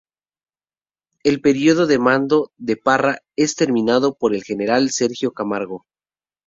El periodo de mando de Parra es terminado por el general Sergio Camargo.